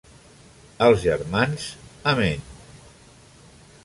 Els germans: Amén.